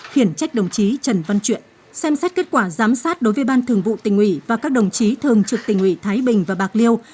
khiển trách đồng chí trần văn chuyện xem xét kết quả giám sát đối với ban thường vụ tình ủy và các đồng chí thường trực tình ủy thái bình và bạc liêu